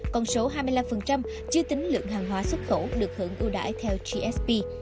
còn số hai mươi năm chưa tính lượng hàng hóa xuất khẩu được hưởng ưu đại theo gsp